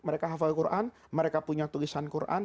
mereka hafal quran mereka punya tulisan quran